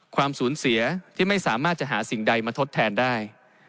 ความสูญเสียที่ไม่สามารถจะหาสิ่งใดมาทดแทนได้